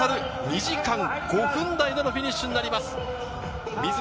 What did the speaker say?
堂々たる２時間５分内でのフィニッシュとなります。